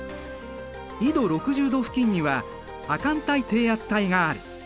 緯度６０度付近には亜寒帯低圧帯がある。